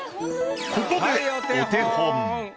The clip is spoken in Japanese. ここでお手本。